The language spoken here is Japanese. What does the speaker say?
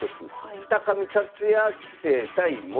二上達也棋聖対森